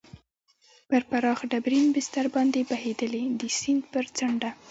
پر پراخ ډبرین بستر باندې بهېدلې، د سیند پر څنډه.